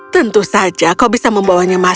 tentu saja kau bisa membawanya masuk